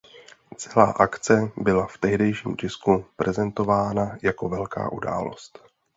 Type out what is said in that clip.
Celá akce byla v tehdejším tisku prezentována jako velká událost.